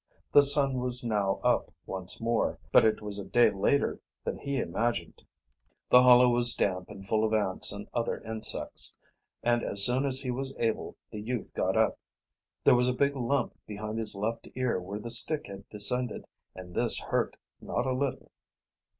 The sun was now up once more, but it was a day later than he imagined. The hollow was damp and full of ants and other insects, and as soon as he felt able the youth got up. There was a big lump behind his left ear where the stick had descended, and this hurt not a little.